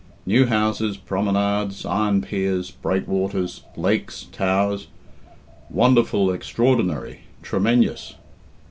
New houses, promenades, iron piers, breakwaters, lakes, towers wonderful I extraordinary! tre menjous!